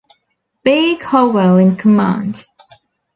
B. Colwell in command.